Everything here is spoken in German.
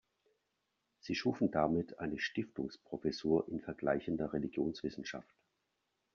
Sie schufen damit eine Stiftungsprofessur in vergleichender Religionswissenschaft.